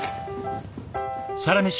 「サラメシ」